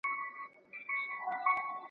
عدالت د پاچاهۍ بنسټ دی.